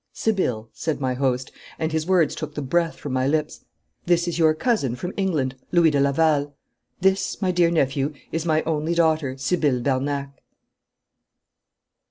'Sibylle,' said my host, and his words took the breath from my lips, 'this is your cousin from England, Louis de Laval. This, my dear nephew, is my only daughter, Sibylle Bernac.'